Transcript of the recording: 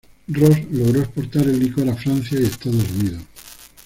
Ross logró exportar el licor a Francia y Estados Unidos.